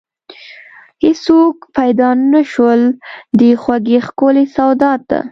هیڅوک پیدا نشول، دې خوږې ښکلې سودا ته